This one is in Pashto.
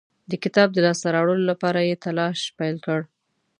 د کتاب د لاسته راوړلو لپاره یې تلاښ پیل کړ.